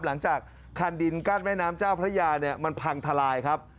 หลังจากคันดินกั้นแม่น้ำเจ้าพระยาเนี่ยมันพังทลายครับ